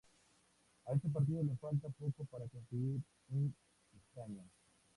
A este partido le faltó poco para conseguir un escaño.